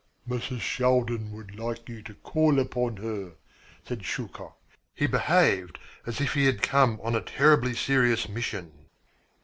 "Mrs. Shaldin would like you to call upon her," said Shuchok. He behaved as if he had come on a terribly serious mission.